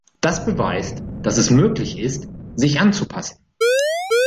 Das beweist, dass es möglich ist, sich anzupassen.